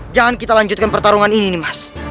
jangan kita lanjutkan pertarungan ini nih mas